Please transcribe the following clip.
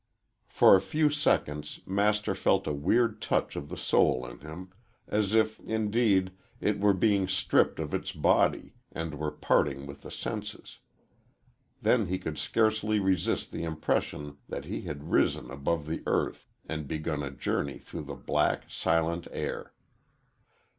For a few seconds Master felt a weird touch of the soul in him as if, indeed, it were being stripped of its body and were parting with the senses. Then he could scarcely resist the impression that he had risen above the earth and begun a journey through the black, silent air.